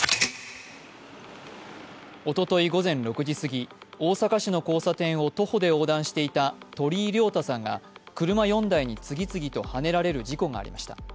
おととい午前６時すぎ、大阪市の交差点を徒歩で横断していた鳥居亮太さんが車４台に次々とはねられる事故がありました。